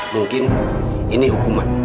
mungkin ini hukuman